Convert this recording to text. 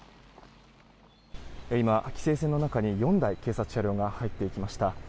今、規制線の中に４台警察車両が入っていきました。